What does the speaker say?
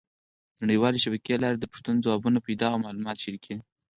د نړیوالې شبکې له لارې د پوښتنو ځوابونه پیدا او معلومات شریکېږي.